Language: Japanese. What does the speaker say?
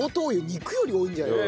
肉より多いんじゃない？